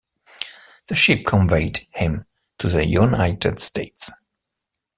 The ship conveyed him to the United States.